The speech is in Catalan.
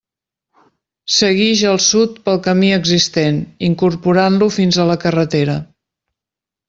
Seguix al sud pel camí existent, incorporant-lo fins a la carretera.